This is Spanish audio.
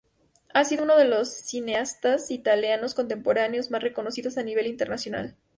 Ha sido uno de los cineastas italianos contemporáneos más reconocidos a nivel internacional.